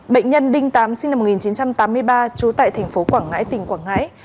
bệnh nhân đinh tám sinh năm một nghìn chín trăm tám mươi ba trú tại thành phố quảng ngãi tỉnh quảng ngãi